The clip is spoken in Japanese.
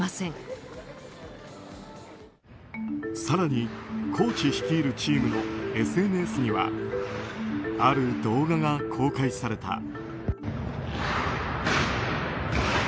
更にコーチ率いるチームのＳＮＳにはある動画が公開された。